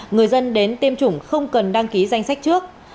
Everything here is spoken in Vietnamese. người dân đến tiêm chủng không cần đăng ký danh sách trước